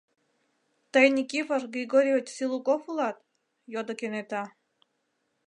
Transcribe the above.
— Тый Никифор Григорьевич Силуков улат? — йодо кенета.